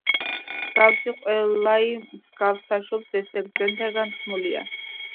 მსგავსი ყველაი მსგავსსა შობს, ესე ბრძენთაგან თქმულია.